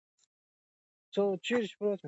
خوب، طبیعت او ورزش د خوښۍ سبب کېږي.